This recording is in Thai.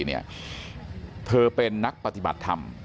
เธอเป็นนักปฏิบัติธรรม